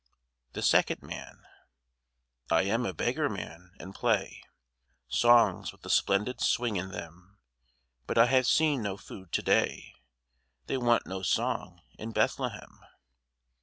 THE SECOND MAN I am a beggar man, and play Songs with a splendid swing in them, But I have seen no food to day. They want no song in Bethlehem.